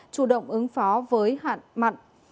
chủ động ứng phó với hạn mặn